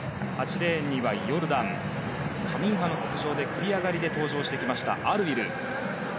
８レーンにはヨルダンカミンハの欠場で繰り上がりで登場してきたアル・ウィル。